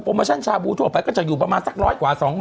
โมชั่นชาบูทั่วไปก็จะอยู่ประมาณสัก๑๐๐กว่า๒๐๐